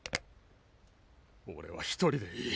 俺は１人でいい。